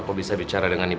kalian sudah ngerti ngerti air